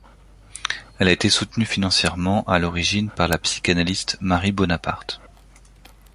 Elle a été soutenue financièrement à l'origine par la psychanalyste Marie Bonaparte.